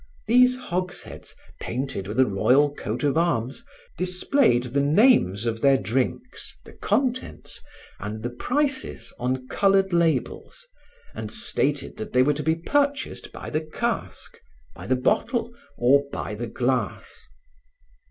These hogsheads painted with a royal coat of arms displayed the names of their drinks, the contents, and the prices on colored labels and stated that they were to be purchased by the cask, by the bottle or by the glass.